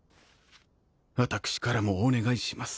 私からもお願いします。